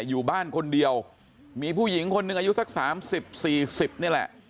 อยู่บ้านคนเดียวมีผู้หญิงคนนึงอายุสักสามสิบสี่สิบนี่แหละ